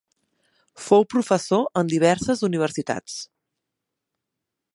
Fou professor en diverses universitats.